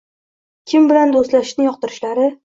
kim bilan do‘stlashishni yoqtirishlari